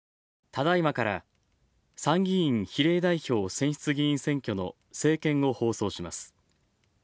ただいまから参議院比例代表選出議員選挙の政見を放送します。